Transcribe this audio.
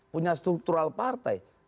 punya struktural partai